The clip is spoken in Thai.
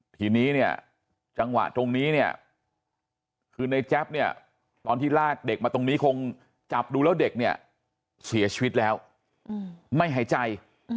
ทีนี้เนี่ยจังหวะตรงนี้เนี่ยคือในแจ๊บเนี่ยตอนที่ลากเด็กมาตรงนี้คงจับดูแล้วเด็กเนี่ยเสียชีวิตแล้วไม่หายใจ